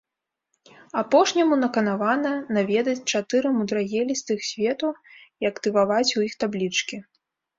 Апошняму наканавана наведаць чатыры мудрагелістых свету і актываваць у іх таблічкі.